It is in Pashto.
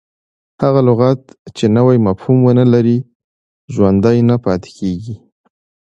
هغه لغت، چي نوی مفهوم و نه لري، ژوندی نه پاته کیږي.